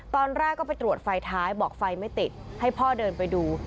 ตอนแรกก็ไปตรวจไฟท้ายบอกไฟไม่ติดให้พ่อเดินไปดู